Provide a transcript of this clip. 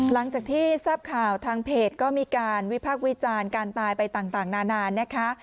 หลังจากที่ทราบข่าวทางเพจก็มีการวิพากษ์วิจารณ์การตายไปต่างนานานนะคะ